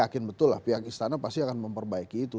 saya yakin betul pihak istana pasti akan memperbaiki itu